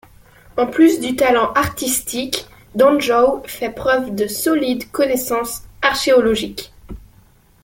En plus du talent artistique, Danjoy fait preuve de solides connaissances archéologiques.